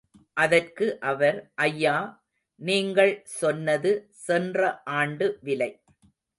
அதற்கு அவர், ஐயா, நீங்கள் சொன்னது சென்ற ஆண்டு விலை.